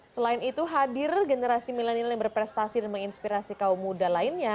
selain itu hadir generasi milenial yang berprestasi dan menginspirasi kaum muda lainnya